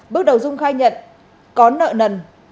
bước đầu dung khai nhận có nợ nần